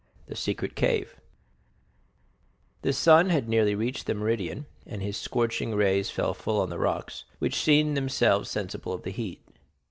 The Secret Cave The sun had nearly reached the meridian, and his scorching rays fell full on the rocks, which seemed themselves sensible of the heat.